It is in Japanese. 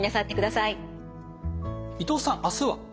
伊藤さん明日は？